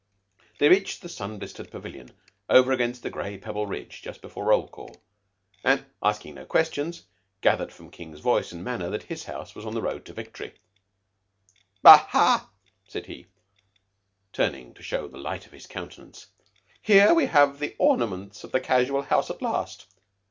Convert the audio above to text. They reached the sun blistered pavilion over against the gray Pebbleridge just before roll call, and, asking no questions, gathered from King's voice and manner that his house was on the road to victory. "Ah, ha!" said he, turning to show the light of his countenance. "Here we have the ornaments of the Casual House at last.